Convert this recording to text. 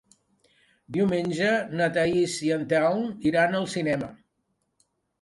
Diumenge na Thaís i en Telm iran al cinema.